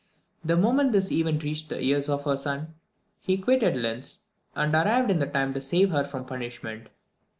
The moment this event reached the ears of her son, he quitted Linz, and arrived in time to save her from punishment.